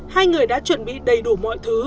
hai người đã chuẩn bị đầy đủ mọi thứ